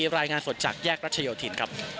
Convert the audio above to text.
รายงานสดจากแยกรัชโยธินครับ